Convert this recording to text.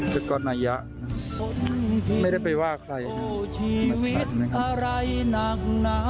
คือก่อนโนยะไม่ได้ไปว่าใครนะฮะไม่ใช่นะฮะ